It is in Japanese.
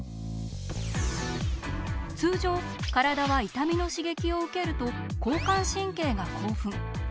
通常体は痛みの刺激を受けると交感神経が興奮。